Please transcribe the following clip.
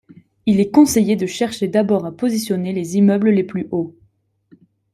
Il est conseillé de chercher d'abord à positionner les immeubles les plus hauts.